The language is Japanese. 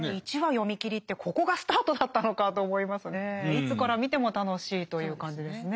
いつから見ても楽しいという感じですね。